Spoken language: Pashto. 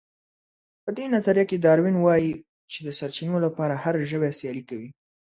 په دې نظريه کې داروېن وايي چې د سرچينو لپاره هر ژوی سيالي کوي.